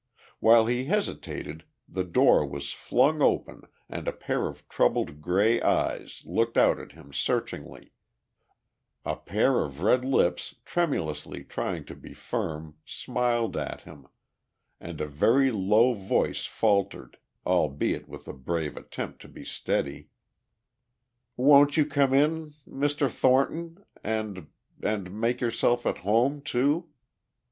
While he hesitated the door was flung open and a pair of troubled grey eyes looked out at him searchingly; a pair of red lips tremulously trying to be firm smiled at him, and a very low voice faltered, albeit with a brave attempt to be steady: "Won't you come in... Mr. Thornton? And ... and make yourself at home, too?